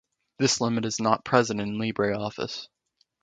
This limit is not present in LibreOffice.